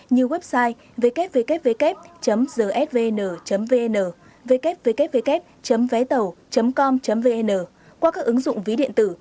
như website www gsvn vn www vétàu com vn qua các ứng dụng ví điện tử